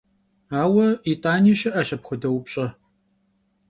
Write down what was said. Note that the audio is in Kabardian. Aue yit'ani şı'eş apxuede vupş'e.